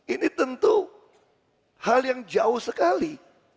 ini tentu hal yang jauh sekali